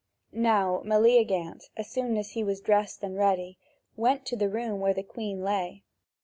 Now Meleagant, as soon as he was dressed and ready, went to the room where the Queen lay.